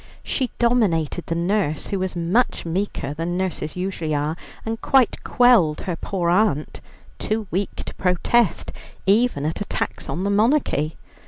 She dominated the nurse, who was much meeker than nurses usually are, and quite quelled her poor aunt, too weak to protest even at attacks on the monarchy.